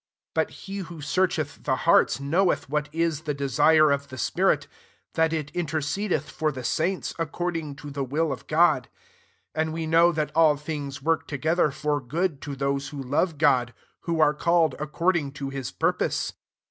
27 But he who searcheth the hearts knoweth what U the desire of the spirit, that it intercedeth for the saints, according to i/ie will q/'God. 28 And we know that all things work together for good to those who love God, who are called according to hi3 purpose.